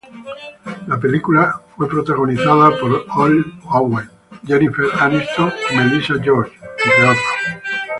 La película fue protagonizada por Clive Owen, Jennifer Aniston y Melissa George, entre otros.